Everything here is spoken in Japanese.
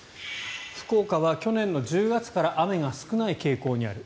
福岡は去年の１０月から雨が少ない傾向にある。